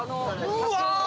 うわ！